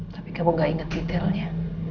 tapi kamu gak ingat detailnya